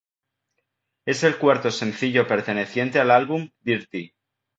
Es el cuarto sencillo perteneciente al álbum Dirty.